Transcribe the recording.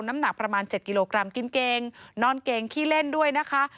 น้ำหนักประมาณ๗กิโลกรัมกินเกงนอนเกงขี้เล่นด้วยนะคะ